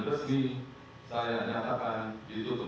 saya akan ditutup